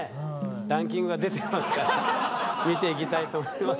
ランキングが出てますから見ていきたいと思います